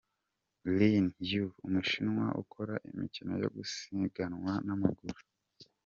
Lin Yue, Umushinwa ukora imikino yo gusiganwa n’amaguru.